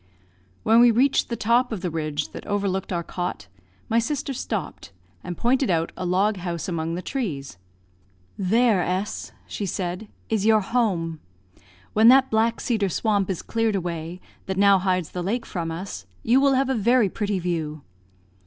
When we reached the top of the ridge that overlooked our cot, my sister stopped, and pointed out a log house among the trees. "There, S ," she said, "is your home. When that black cedar swamp is cleared away, that now hides the lake from us, you will have a very pretty view."